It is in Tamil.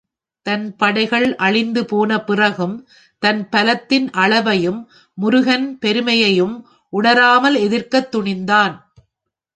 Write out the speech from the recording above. தன் படைகள் அழிந்து போன பிறகும் தன் பலத்தின் அளவையும் முருகன் பெருமையையும் உணராமல் எதிர்க்கத் துணிந்தான்.